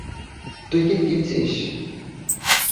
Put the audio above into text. তুই কি কিনছিস?